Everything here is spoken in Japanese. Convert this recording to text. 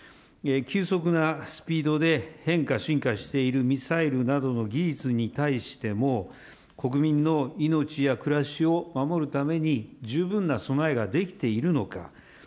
急速なスピードで変化、進化しているミサイルなどの技術に対しても、国民の命や暮らしを守るために、十分な備えができているのか。